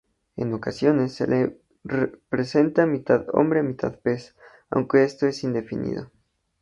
En ocasiones se le representa mitad hombre, mitad pez, aunque esto es indefinido.